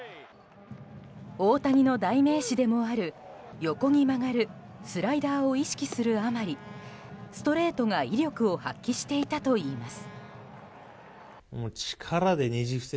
大谷の代名詞でもある横に曲がるスライダーを意識するあまり、ストレートが威力を発揮していたといいます。